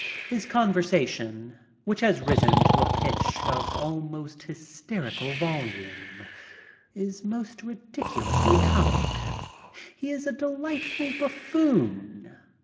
His conversation, which has risen to a 1 MEET THE IMMORTALS 87 pitch of almost hysterical volume, is most ridiculously comic. He is a delightful buffoon.